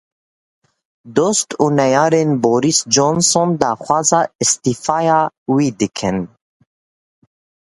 Dost û neyarên Boris Johnson daxwaza îstîfaya wî dikin.